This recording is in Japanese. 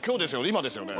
今ですよね。